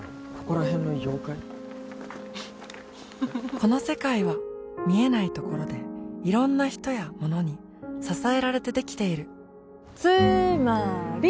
この世界は見えないところでいろんな人やものに支えられてできているつーまーり！